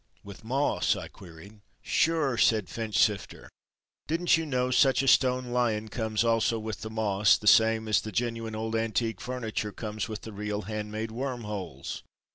"With moss?" I queried. "Sure!" said Finchsifter. "Didn't you know such a stone Lion comes also with the moss, the same as the genuine old antique furniture comes with the real hand made worm holes!"